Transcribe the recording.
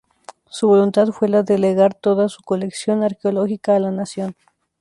Su voluntad fue la de legar toda su colección arqueológica a la nación.